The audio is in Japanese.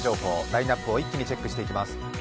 ラインナップを一気にチェックしていきます。